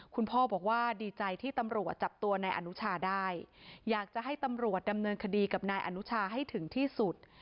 คุณพ่อบอกว่าดีใจที่ตำรวจจับตัวนายอนุชาได้อยากจะให้ตำรวจดำเนินคดีกับนายอนุชาให้ถึงที่สุด